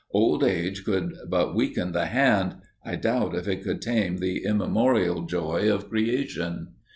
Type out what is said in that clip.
Old age could but weaken the hand; I doubt if it could tame the immemorial joy of creation.